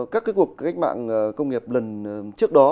các cuộc cách mạng công nghiệp lần trước đó